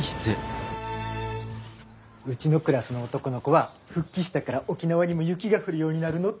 うちのクラスの男の子は「復帰したから沖縄にも雪が降るようになるの？」